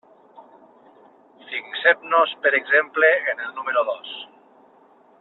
Fixem-nos, per exemple, en el número dos.